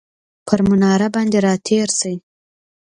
پر مناره باندې راتیرشي،